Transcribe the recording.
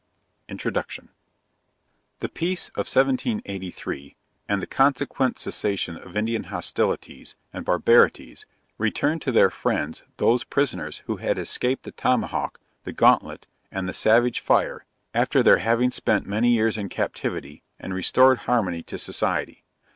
INTRODUCTION. The Peace of 1783, and the consequent cessation of Indian hostilities and barbarities, returned to their friends those prisoners, who had escaped the tomahawk, the gauntlet, and the savage fire, after their having spent many years in captivity, and restored harmony to society.